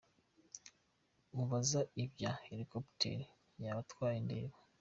Mubaza ibya ya hélicoptère yabatwaye ndeba.